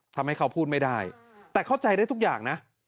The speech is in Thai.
ทำให้เขาพูดไม่ได้แต่เข้าใจได้ทุกอย่างนะ